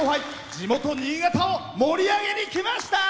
地元・新潟を盛り上げにきました。